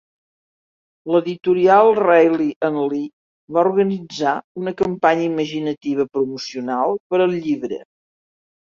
L'editorial Reilly and Lee va organitzar una campanya imaginativa promocional per al llibre.